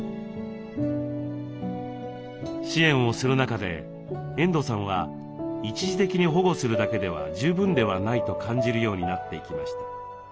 支援をする中で遠藤さんは一時的に保護するだけでは十分ではないと感じるようになっていきました。